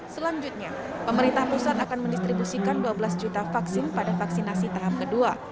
selanjutnya pemerintah pusat akan mendistribusikan dua belas juta vaksin pada vaksinasi tahap kedua